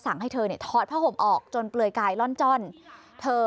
ให้เธอเนี่ยถอดผ้าห่มออกจนเปลือยกายล่อนจ้อนเธอ